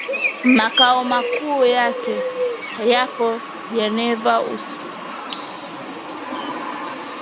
Makao makuu yake yapo Geneva Uswisi